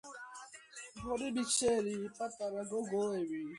სოფელ უსახელოში არის მეთორმეტე საუკუნის მთავარანგელოზის სახელობის ეკლესია